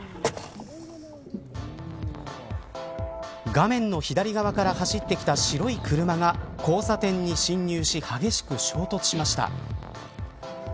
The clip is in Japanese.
画面の左側から走ってきた白い車が交差点に進入し激しく衝突しました。